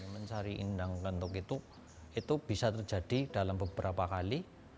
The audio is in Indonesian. mencari indang lentok itu itu bisa terjadi dalam beberapa kali